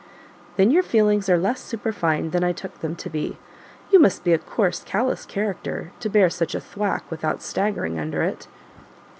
"Then your feelings are less superfine than I took them to be; you must be a coarse, callous character, to bear such a thwack without staggering under it."